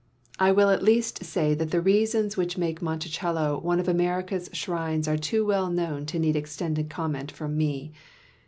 I will at least say that the reasons which make Monticello one of America's shrines are too well known to need e.xtended comment from me.